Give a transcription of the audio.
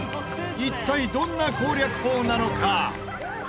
一体どんな攻略法なのか？